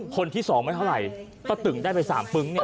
คนที่๒ไม่เท่าไหร่ป้าตึงได้ไป๓ปึ๊งเนี่ย